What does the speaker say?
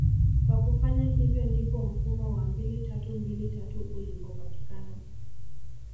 kwa kufanya hivyo ndipo mfumo wa mbili tatu mbili tatu ulipopatikana